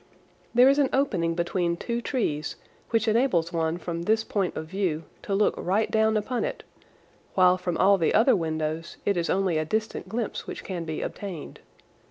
There is an opening between two trees which enables one from this point of view to look right down upon it, while from all the other windows it is only a distant glimpse which can be obtained.